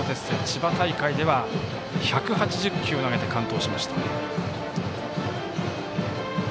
千葉大会では１８０球を投げて完投しました。